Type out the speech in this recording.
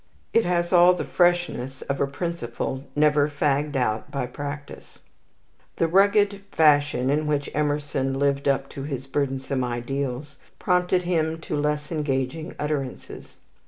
It has all the freshness of a principle never fagged out by practice. The rugged fashion in which Emerson lived up to his burdensome ideals prompted him to less engaging utterances.